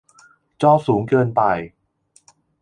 จอสูงเกินไป